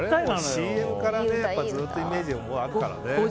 ＣＭからずっとイメージがあるから。